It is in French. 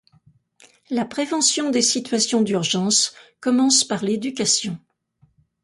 La prévention des situations d'urgence commence par l'éducation.